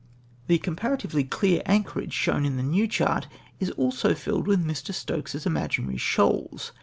The comparatively clear anchorage shown in the new chart is also filled with ]\Ii\ Stokes's imaginary shoals